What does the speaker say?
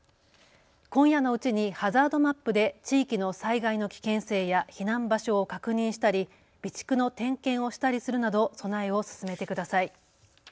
今夜のうちにハザードマップで地域の災害の危険性や避難場所を確認したり備蓄の点検をしたりするなど備えを進めてください。